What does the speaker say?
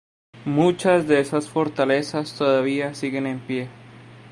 Muchas de esas fortalezas todavía siguen en pie.